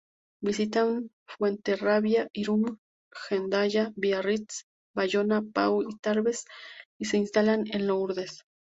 Visitan Fuenterrabía, Irún, Hendaya, Biarritz, Bayona, Pau y Tarbes, y se instalan en Lourdes.